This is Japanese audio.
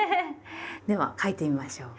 では書いてみましょう。